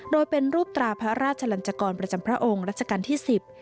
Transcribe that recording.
โดยเป็นรูปตราพระราชลันจกรประจำพระองค์รัชกาลที่สิบ